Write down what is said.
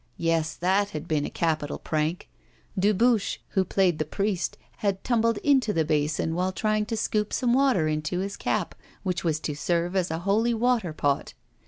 Yes! that had been a capital prank. Dubuche, who played the priest, had tumbled into the basin while trying to scoop some water into his cap, which was to serve as a holy water pot.